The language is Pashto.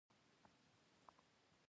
زما کاکا سوداګر ده